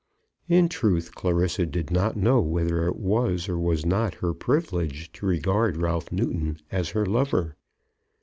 In truth Clarissa did not know whether it was or was not her privilege to regard Ralph Newton as her lover.